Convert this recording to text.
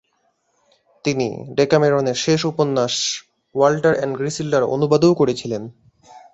তিনি ডেকামেরনের শেষ উপন্যাস ওয়াল্টার অ্যান্ড গ্রীসিল্ডার অনুবাদও করেছিলেন।